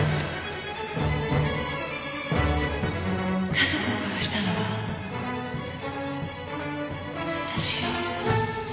家族を殺したのはあたしよ。